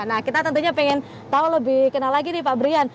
nah kita tentunya pengen tahu lebih kenal lagi nih pak brian